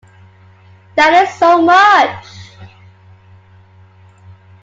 That is so much!